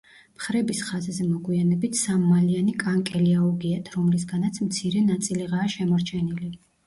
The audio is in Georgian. მხრების ხაზზე მოგვიანებით სამმალიანი კანკელი აუგიათ, რომლისგანაც მცირე ნაწილიღაა შემორჩენილი.